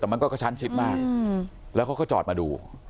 แต่มันก็กระชั้นชิดมากแล้วเขาก็จอดมาดู